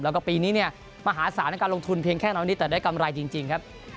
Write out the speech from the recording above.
แล้วก็ปีนี้เนี่ยมหาศาลในการลงทุนเพียงแค่น้อยนิดแต่ได้กำไรจริงครับ